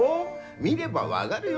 見れば分がるよ